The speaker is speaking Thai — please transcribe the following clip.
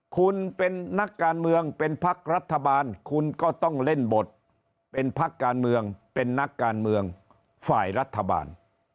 คุณเป็นนักการเมืองเป็นพักรัฐบาลคุณก็ต้องเล่นบทเป็นพักการเมืองเป็นนักการเมืองฝ่ายรัฐบาล